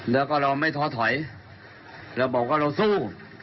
แล้วก็เราไม่ท้อถอยเราบอกว่าเราสู้